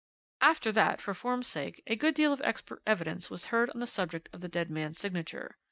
"After that, for form's sake, a good deal of expert evidence was heard on the subject of the dead man's signature.